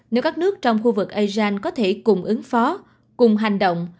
nếu các nước trong khu vực asean có thể cùng ứng phó cùng hành động